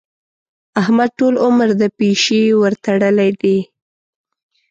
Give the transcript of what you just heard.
احمد ټول عمر د پيشي ورتړلې دي.